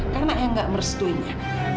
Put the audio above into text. karena eang nggak merestuinya